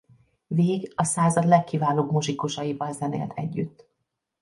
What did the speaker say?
Végh a század legkiválóbb muzsikusaival zenélt együtt.